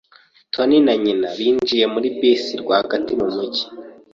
Tony na nyina binjiye muri bisi rwagati mu mujyi.